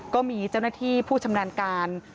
ก็มีเจ้าหน้าที่ผู้ชำนาญการ